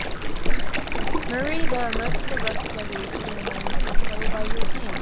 Marie, though most of the rest of the region remained unsettled by Europeans.